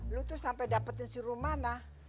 lu tuh sampai dapetin suruh mana